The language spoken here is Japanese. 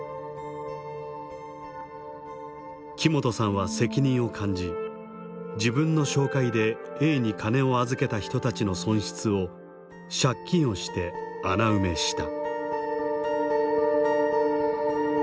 木本さんは責任を感じ自分の紹介でＡに金を預けた人たちの損失を借金をして穴埋めした。